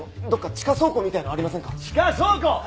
地下倉庫！